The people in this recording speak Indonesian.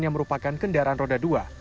yang merupakan kendaraan roda dua